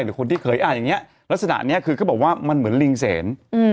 หรือคนที่เคยอ่านอย่างนี้ลักษณะนี้คือเขาบอกว่ามันเหมือนลิงเสน